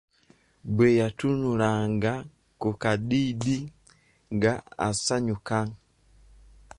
Bwe yatunulanga ku Kadiidi nga asanyuka